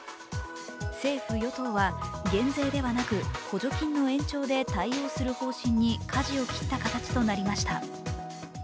政府・与党は、減税ではなく補助金の延長で対応する方針にかじを切った形となりました。